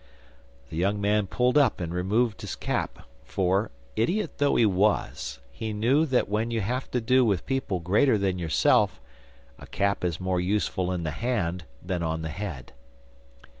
The young man pulled up and removed his cap, for, idiot though he was, he knew that when you have to do with people greater than yourself, a cap is more useful in the hand than on the head.